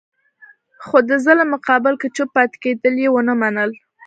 خو د ظلم مقابل کې چوپ پاتې کېدل یې ونه منل.